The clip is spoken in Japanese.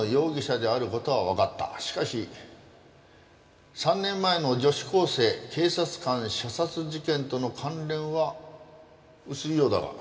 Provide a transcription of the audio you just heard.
「しかし３年前の女子高生・警察官射殺事件との関連は薄いようだが？」